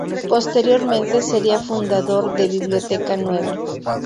Posteriormente, sería fundador de Biblioteca Nueva.